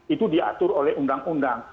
itu diatur oleh undang undang